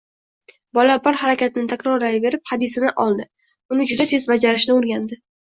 Bola bir harakatni takrorlayverib, hadisini oldi, uni juda tez bajarishni oʻrgandi